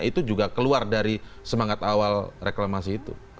itu juga keluar dari semangat awal reklamasi itu